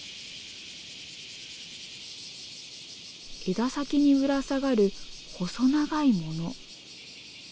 枝先にぶら下がる細長いもの。